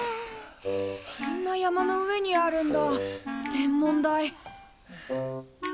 こんな山の上にあるんだ天文台。